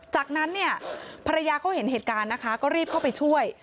จากนั้นเนี่ยภรรยาเขาเห็นเหตุการณ์นะคะก็รีบเข้าไปช่วย